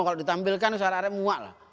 kalau ditampilkan searah arahnya muak lah